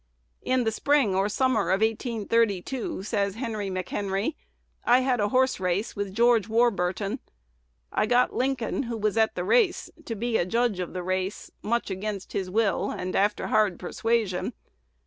"In the spring or summer of 1832," says Henry McHenry, "I had a horse race with George Warbur ton. I got Lincoln, who was at the race, to be a judge of the race, much against his will and after hard persuasion.